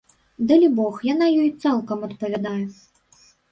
Далібог, яна ёй цалкам адпавядае.